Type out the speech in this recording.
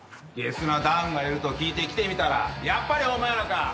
げすなダウンがいると聞いて来てみたらやっぱりお前らか。